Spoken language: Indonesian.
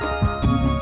liat dong liat